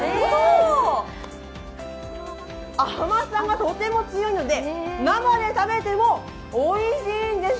甘さがとても強いので、生で食べてもおいしいんです。